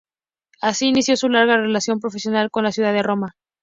Así inició su larga relación profesional con la ciudad de Roma.